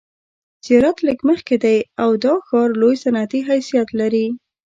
زیارت لږ مخکې دی او دا ښار لوی صنعتي حیثیت لري.